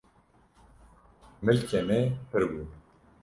milkê me pirbû